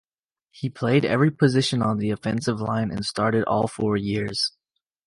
He played every position on the offensive line and started all four years.